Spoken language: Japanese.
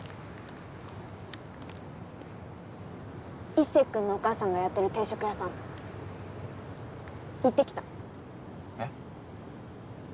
一星君のお母さんがやってる定食屋さん行って来たえっ？